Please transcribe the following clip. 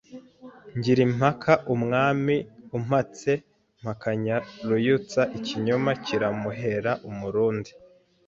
Ngira impaka Umwami umpatse Mpakanya Ruyutsa Ikinyoma kiramuhera Umurundi